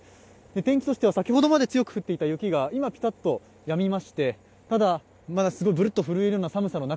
天気としては先ほどまで強く降っていた雪が今、ピタッとやみましてただ、まだぶるっと震えるような寒さの中